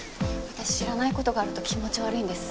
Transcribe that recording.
私知らない事があると気持ち悪いんです。